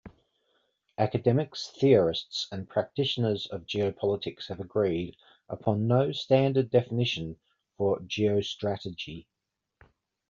Academics, theorists, and practitioners of geopolitics have agreed upon no standard definition for geostrategy.